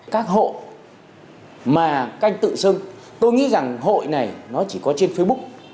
các hộ mà canh tự sưng tôi nghĩ rằng hội này nó chỉ có trên facebook